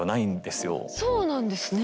そうなんですね。